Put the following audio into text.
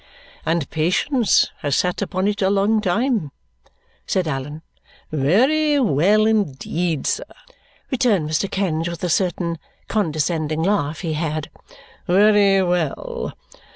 "And patience has sat upon it a long time," said Allan. "Very well indeed, sir," returned Mr. Kenge with a certain condescending laugh he had. "Very well!